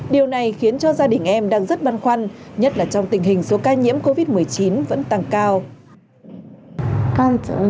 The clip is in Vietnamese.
điều này khiến cho gia đình em đang rất băn khoăn nhất là trong tình hình số ca nhiễm covid một mươi chín vẫn tăng cao